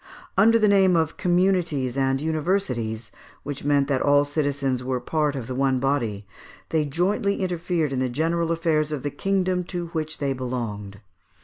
Under the name of communities and universities, which meant that all citizens were part of the one body, they jointly interfered in the general affairs of the kingdom to which they belonged.